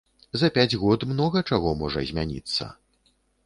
За пяць год многа чаго можа змяніцца.